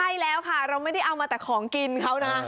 ใช่แล้วค่ะเราไม่ได้เอามาแต่ของกินเขานะ